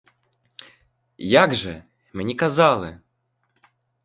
Як же, мені казали.